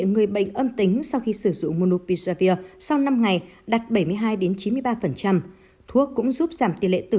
người bệnh âm tính sau khi sử dụng munopisavir sau năm ngày đạt bảy mươi hai chín mươi ba thuốc cũng giúp giảm tỷ lệ tử